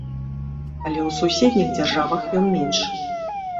Але ў суседніх дзяржавах ён менш.